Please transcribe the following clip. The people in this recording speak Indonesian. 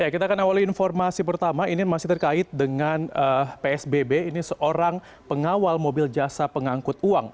kita akan awali informasi pertama ini masih terkait dengan psbb ini seorang pengawal mobil jasa pengangkut uang